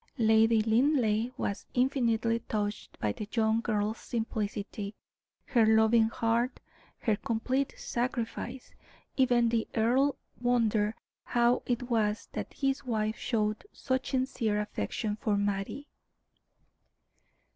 Lady Linleigh was infinitely touched by the young girl's simplicity, her loving heart, her complete sacrifice. Even the earl wondered how it was that his wife showed such sincere affection for Mattie.